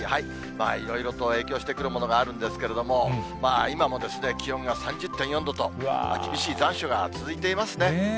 いろいろと影響してくるものがあるんですけれども、今もですね、気温が３０．４度と、厳しい残暑が続いていますね。